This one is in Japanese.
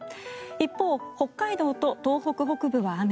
一方、北海道と東北北部は雨。